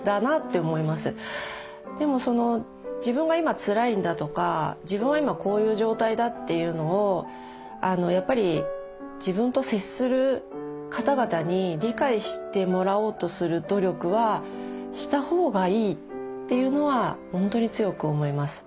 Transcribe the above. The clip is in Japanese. でも自分が今つらいんだとか自分は今こういう状態だっていうのをやっぱり自分と接する方々に理解してもらおうとする努力はした方がいいっていうのは本当に強く思います。